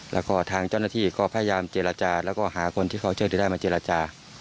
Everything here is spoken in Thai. แล้วก็ทางเจ้าหน้าที่ก็พยายามเจรจาแล้วก็หาคนที่เขาช่วยได้มาเจรจา